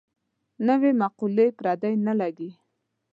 نوې مقولې پردۍ نه لګي.